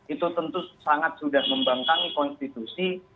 itu tentu sangat sudah membangkanggi konstitusi